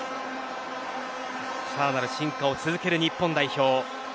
さらなる進化を続ける日本代表。